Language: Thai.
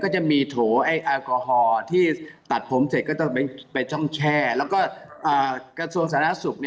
จะมีโถแอลกอฮอล์ที่ตัดผมเสร็จก็จะไปช่องแช่แล้วก็กระทรวงสาธารณสุข